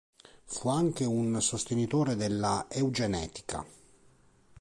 Fu anche un sostenitore della eugenetica.